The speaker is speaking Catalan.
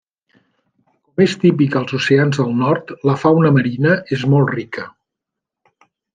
Com és típic als oceans del nord, la fauna marina és molt rica.